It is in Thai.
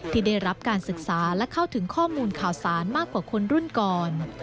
ที่ได้รับการศึกษาและเข้าถึงข้อมูลข่าวสารมากกว่าคนรุ่นก่อน